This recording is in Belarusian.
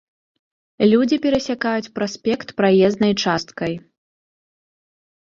Людзі перасякаюць праспект праезнай часткай.